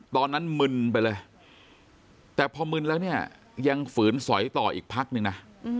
มึนไปเลยแต่พอมึนแล้วเนี่ยยังฝืนสอยต่ออีกพักนึงนะ